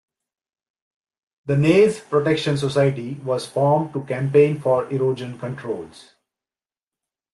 The Naze Protection Society was formed to campaign for erosion controls.